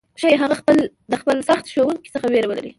ښايي هغه د خپل سخت ښوونکي څخه ویره ولري،